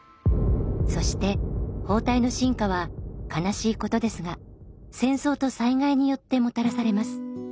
そして包帯の進化は悲しいことですが戦争と災害によってもたらされます。